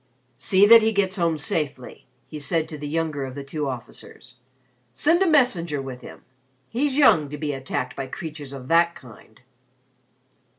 "See that he gets home safely," he said to the younger of the two officers. "Send a messenger with him. He's young to be attacked by creatures of that kind."